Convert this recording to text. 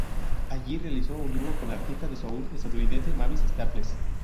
Allí realizó un dúo con la artista de soul estadounidense, Mavis Staples.